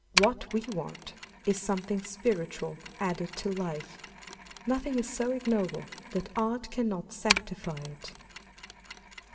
What we want is something spiritual added to life. Nothing is so ignoble that Art cannot sanctify it.